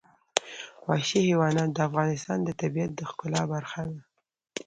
وحشي حیوانات د افغانستان د طبیعت د ښکلا برخه ده.